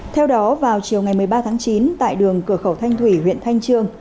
theo đó vào chiều ngày một mươi ba tháng chín tại đường cửa khẩu thanh thủy huyện thanh trương